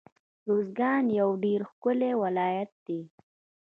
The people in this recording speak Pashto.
روزګان يو ډير ښکلی ولايت دی